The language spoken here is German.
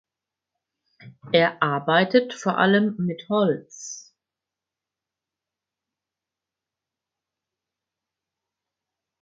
Er arbeitet vor allem mit Holz.